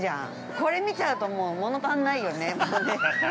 これ見ちゃうと、もう物足んないよね。